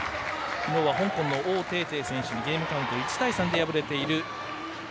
きのうは香港の王ていてい選手にゲームカウント１対３で敗れています。